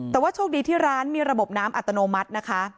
แต่ว่าโชคดีที่ร้านมีระบบน้ำอัตโนมัตินะคะ